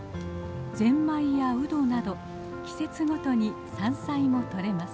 ゼンマイやウドなど季節ごとに山菜もとれます。